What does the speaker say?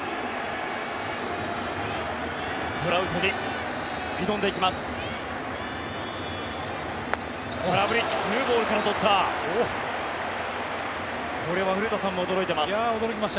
トラウトに挑んでいきます。